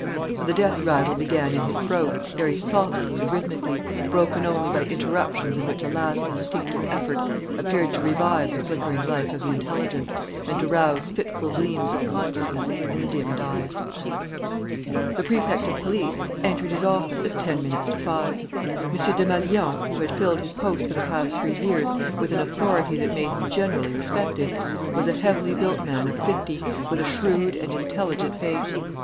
And the death rattle began in his throat, very softly and rhythmically, broken only by interruptions in which a last instinctive effort appeared to revive the flickering life of the intelligence, and to rouse fitful gleams of consciousness in the dimmed eyes. The Prefect of Police entered his office at ten minutes to five. M. Desmalions, who had filled his post for the past three years with an authority that made him generally respected, was a heavily built man of fifty with a shrewd and intelligent face.